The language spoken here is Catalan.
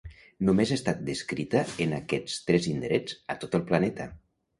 Només ha estat descrita en aquests tres indrets a tot el planeta.